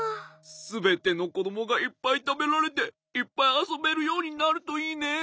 すべてのこどもがいっぱいたべられていっぱいあそべるようになるといいね。